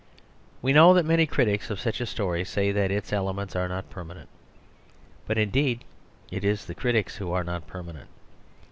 We know that many critics of such a story say that its elements are not permanent; but indeed it is the critics who are not permanent.